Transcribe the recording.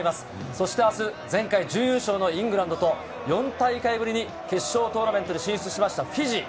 そしてあす、前回準優勝のイングランドと４大会ぶりに決勝トーナメントに進出したフィジー。